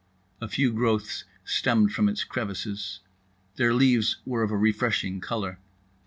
A few growths stemmed from its crevices. Their leaves were of a refreshing colour.